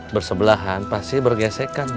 bersebelahan pasti bergesekan